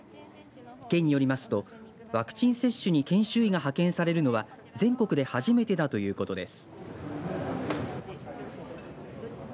県によりますとワクチン接種に研修医が派遣されるのは全国で初めてだということです。